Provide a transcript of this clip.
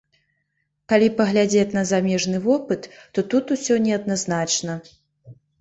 Калі паглядзець на замежны вопыт, то тут усё неадназначна.